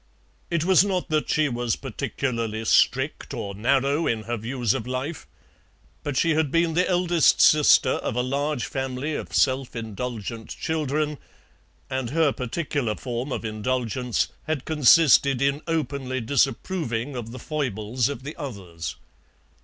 It was not that she was particularly strict or narrow in her views of life, but she had been the eldest sister of a large family of self indulgent children, and her particular form of indulgence had consisted in openly disapproving of the foibles of the others.